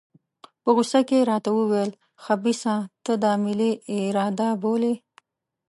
په غوسه کې یې راته وویل خبیثه ته دا ملي اراده بولې.